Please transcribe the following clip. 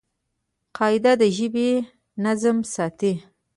قاعده د ژبي نظم ساتي.